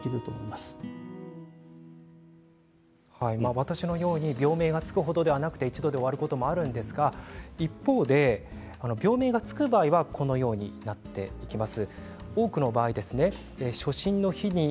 私のように病名がつく程ではなく一度で終わる場合もあるんですが一方で病名がつく場合はこちらのようになります。